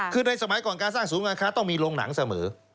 คือในสมัยก่อนการสร้างศูนย์การค้าต้องมีโรงหนังเสมอ